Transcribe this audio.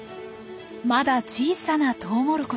まだ小さなトウモロコシ。